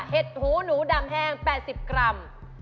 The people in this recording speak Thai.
เห็ดหูหนูดำแห้ง๘๐กรัม